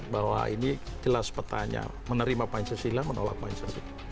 bahwa ini jelas petanya menerima pancasila menolak pancasila